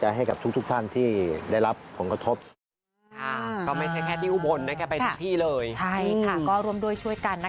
ใช่ค่ะก็ร่วมด้วยช่วยกันนะคะ